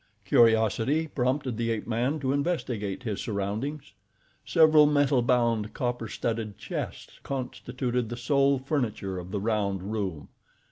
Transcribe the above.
Curiosity prompted the ape man to investigate his surroundings. Several metal bound, copper studded chests constituted the sole furniture of the round room.